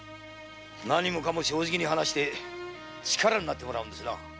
何もかも正直に話して力になってもらうんだ。